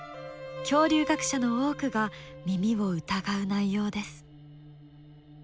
恐竜学者の多くが耳を疑う内容です。